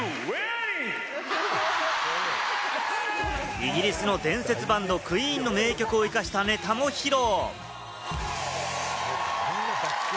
イギリスの伝説バンド・ＱＵＥＥＮの名曲を生かしたネタも披露。